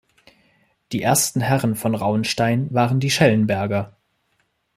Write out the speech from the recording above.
Die ersten Herren von Rauenstein waren die Schellenberger.